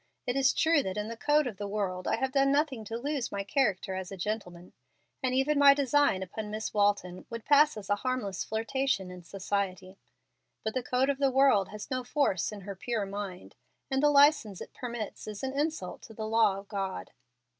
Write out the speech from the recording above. It is true that in the code of the world I have done nothing to lose my character as a gentleman, and even my design upon Miss Walton would pass as a harmless flirtation in society; but the code of the world has no force in her pure mind, and the license it permits is an insult to the law of God.